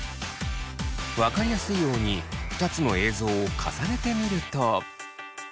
分かりやすいように２つの映像を重ねてみると。